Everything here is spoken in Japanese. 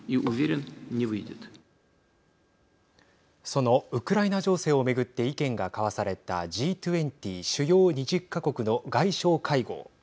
そのウクライナ情勢を巡って意見が交わされたＧ２０＝主要２０か国の外相会合。